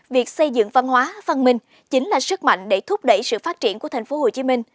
việc xây dựng văn hóa văn minh chính là sức mạnh để thúc đẩy sự phát triển của tp hcm